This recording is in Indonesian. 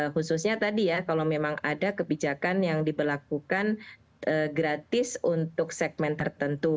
khususnya tadi ya kalau memang ada kebijakan yang diberlakukan gratis untuk segmen tertentu